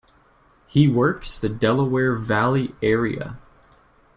He works the Delaware Valley area.